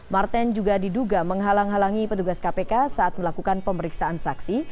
martin juga diduga menghalang halangi petugas kpk saat melakukan pemeriksaan saksi